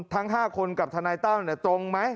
ทั้ง๕คนกับทนายตั้มตรงไหม